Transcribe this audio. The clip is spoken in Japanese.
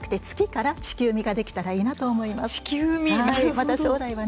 また将来はね